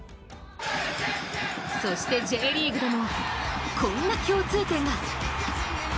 そして、Ｊリーグでもこんな共通点が。